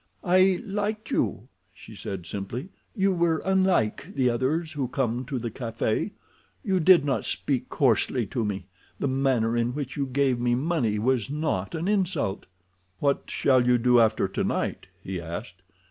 "I liked you," she said simply. "You were unlike the others who come to the café. You did not speak coarsely to me—the manner in which you gave me money was not an insult." "What shall you do after tonight?" he asked.